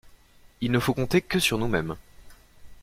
Il ne faut compter que sur nous-mêmes.